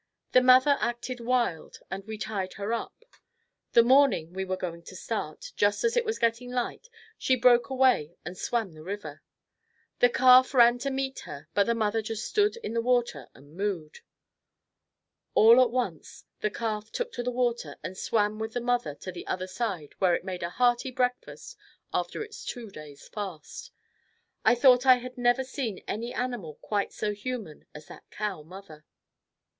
The mother acted wild and we tied her up. The morning we were going to start, just as it was getting light, she broke away and swam the river. The calf ran to meet her but the mother just stood in the water and mooed. All at once, the calf took to the water and swam with the mother to the other side where it made a hearty breakfast after its two days fast. I thought I had never seen any animal quite so human as that cow mother.